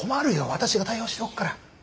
私が対応しておくから。